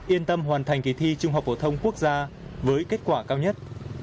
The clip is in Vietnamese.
yên tâm hoàn thành kỳ thi trung học phổ thông quốc gia với kết quả cao nhất